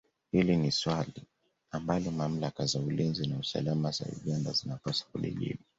Hili ni swali ambalo mamlaka za ulinzi na usalama za Uganda zinapaswa kulijibu